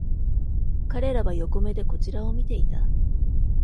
彼らは横目でこちらを見ていた